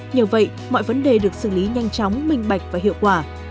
nhờ vậy mọi vấn đề được xử lý nhanh chóng minh bạch và hiệu quả